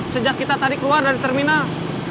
sejak kita tadi keluar dari terminal